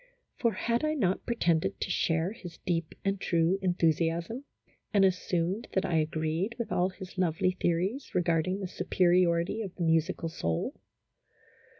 For, had I not pretended to share his deep and true enthusiasm, and assumed that I agreed with all his lovely theories regarding the superiority of the musical soul